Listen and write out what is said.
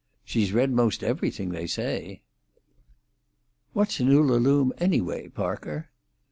"She's read 'most everything, they say." "What's an Ullalume, anyway, Parker?"